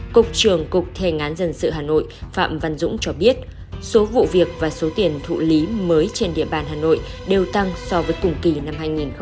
cục trưởng cục thi hành án dân sự hà nội phạm văn dũng cho biết số vụ việc và số tiền thụ lý mới trên địa bàn hà nội đều tăng so với cùng kỳ năm hai nghìn một mươi chín